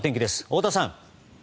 太田さん。